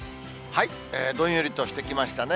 どんよりとしてきましたね。